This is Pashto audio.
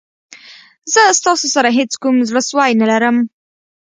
زه ستاسو سره هېڅ کوم زړه سوی نه لرم.